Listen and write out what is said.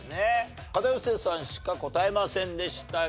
片寄さんしか答えませんでしたが。